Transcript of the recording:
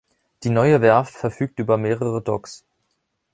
Die neue Werft verfügte über mehrere Docks.